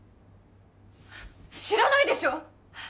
知らないでしょ